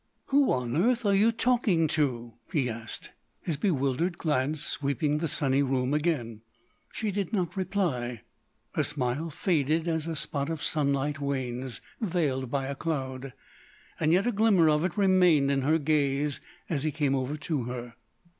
"Who on earth are you talking to?" he asked, his bewildered glance sweeping the sunny room again. She did not reply; her smile faded as a spot of sunlight wanes, veiled by a cloud—yet a glimmer of it remained in her gaze as he came over to her.